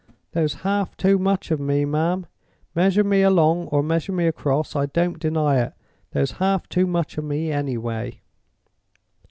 There's half too much of me, ma'am—measure me along or measure me across, I don't deny it—there's half too much of me, anyway."